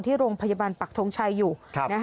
ที่โรงพยาบาลปักทงชัยอยู่